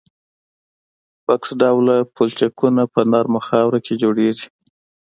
بکس ډوله پلچکونه په نرمه خاوره کې جوړیږي